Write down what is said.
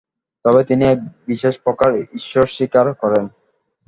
তবে তিনি এক বিশেষপ্রকার ঈশ্বর স্বীকার করেন।